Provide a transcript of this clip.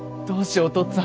おとっつぁん！